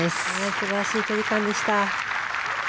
素晴らしい距離感でした。